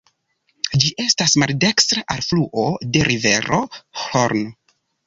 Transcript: Ĝi estas maldekstra alfluo de rivero Hron.